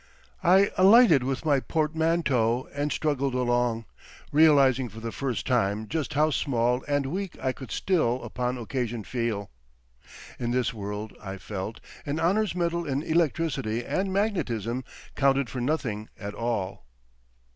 I alighted with my portmanteau and struggled along, realising for the first time just how small and weak I could still upon occasion feel. In this world, I felt, an Honours medal in Electricity and magnetism counted for nothing at all.